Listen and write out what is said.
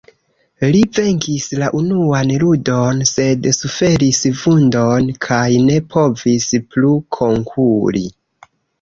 Li venkis la unuan ludon, sed suferis vundon kaj ne povis plu konkuri.